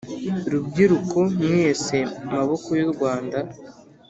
Rubyiruko mwese maboko y’u Rwanda